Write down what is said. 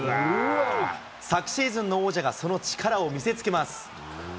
昨シーズンの王者がその力を見せつけます。